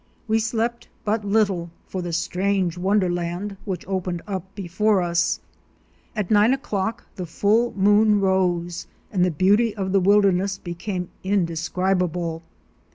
We slept but little, for the strange wonderland which opened up before us. At nine o'clock the full moon rose and the beauty of the wilderness became indescribable.